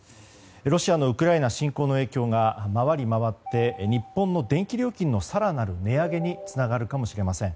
ロシアのウクライナ侵攻の影響が回り回って日本の電気料金の更なる値上げにつながるかもしれません。